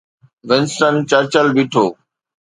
Winston Churchill بيٺو.